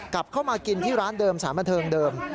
กลับเข้ามากินที่ร้านเดิมสารบันเทิงเดิม